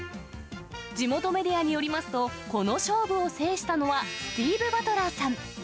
地元メディアによりますと、この勝負を制したのは、スティーブ・バトラーさん。